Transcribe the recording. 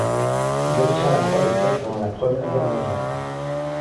Il obtient la croix de fer pendant la Première Guerre mondiale.